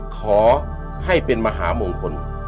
ขอให้เป็นมหามงคล